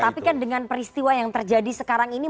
tapi kan dengan peristiwa yang terjadi sekarang ini